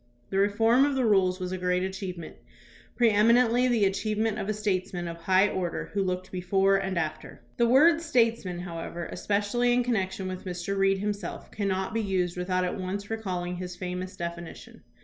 The reform of the rules was a great achievement, pre eminently the achievement of a statesman of high order, who looked before and after. The word "states man," however, especially in connection with Mr. Reed himself, cannot be used without at once recalling his famous definition.